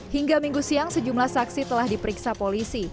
hingga minggu siang sejumlah saksi telah diperiksa polisi